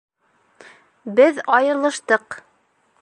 Беҙ айырылыштыҡ!